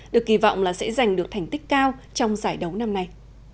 được kỳ vọng là sẽ giành được thành tích cao trong giải đấu năm nay